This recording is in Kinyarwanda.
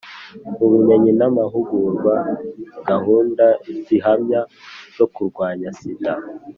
ubumenyi n' amahugurwa, gahunda zihamye zo kurwanya sida